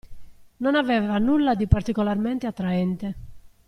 Non aveva nulla di particolarmente attraente.